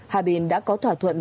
hà bình đã có thỏa thuận